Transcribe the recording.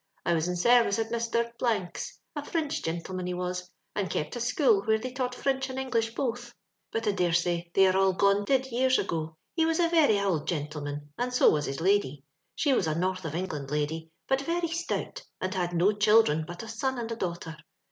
I was in sorvicc at Mx. 's, a Frinch gindeman he was, and kept a school, where they Uught Frinch and English both ; but I dare say they are all gone did years ago. He was a very ould gintleman, and so was his lady; she was a North of Englond lady, but veiy stout, and had no children but a son and daughter.